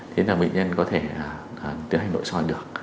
thế là bệnh nhân có thể tiến hành nội soi được